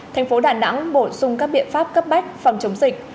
thành phố đà nẵng bổ sung các biện pháp cấp bách phòng chống dịch